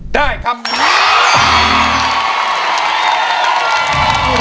ได้ครับ